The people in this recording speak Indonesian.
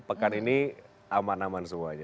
pekan ini aman aman semuanya